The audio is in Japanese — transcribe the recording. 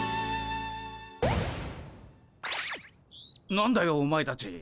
何だよお前たち。